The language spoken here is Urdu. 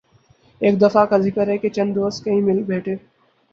ایک دفعہ کا ذکر ہے کہ چند دوست کہیں مل بیٹھے